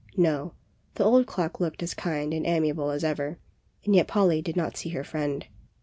No, the old clock looked as kind and ami able as ever, and yet Polly did not see her friend.